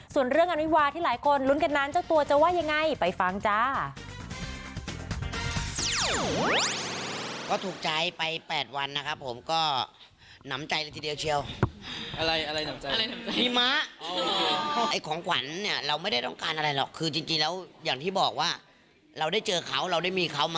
ส่วนเรื่องอวิวาที่หลายคนลุ้นกันนั้นเจ้าตัวจะว่ายังไงไปฟังจ้า